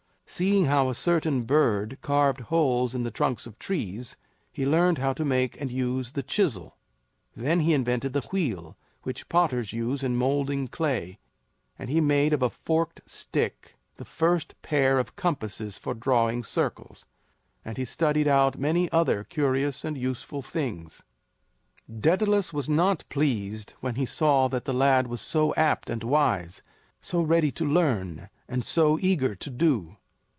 Seeing how a certain bird carved holes in the trunks of trees, he learned how to make and use the chisel. Then he invented the wheel which potters use in molding clay; and he made of a forked stick the first pair of compasses for drawing circles; and he studied out many other curious and useful things. Daedalus was not pleased when he saw that the lad was so apt and wise, so ready to learn, and so eager to do.